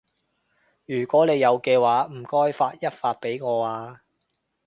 如果你有嘅話，唔該發一發畀我啊